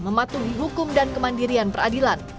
mematuhi hukum dan kemandirian peradilan